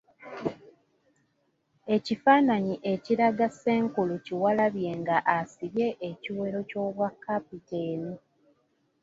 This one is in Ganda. Ekifaananyi ekiraga Ssenkulu Kiwalabye nga asibye ekiwero ky’obwa kapiteeni.